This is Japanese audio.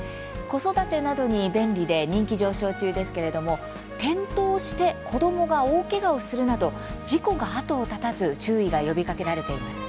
子育てなどに便利で人気上昇中ですけれども転倒して子供が大けがをするなど事故が後を絶たず注意が呼びかけられています。